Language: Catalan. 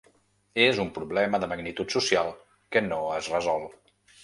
És un problema de magnitud social que no es resol.